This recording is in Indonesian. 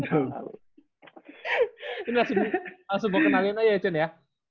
ini langsung gue kenalin aja ya cun ya